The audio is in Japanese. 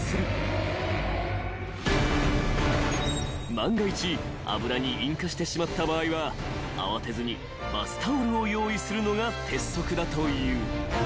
［万が一油に引火してしまった場合は慌てずにバスタオルを用意するのが鉄則だという］